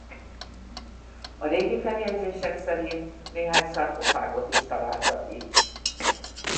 A régi feljegyzések szerint néhány szarkofágot is találtak itt.